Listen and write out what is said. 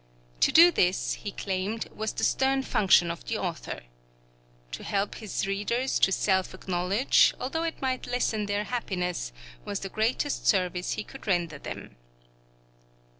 To do this, he claimed, was the stern function of the author. To help his readers to self knowledge, although it might lessen their happiness, was the greatest service he could render them.